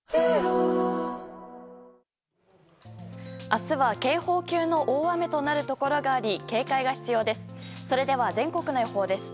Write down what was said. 明日は警報級の大雨となるところがあり警戒が必要です。